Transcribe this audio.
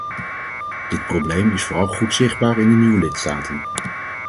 Dit probleem is vooral goed zichtbaar in de nieuwe lidstaten.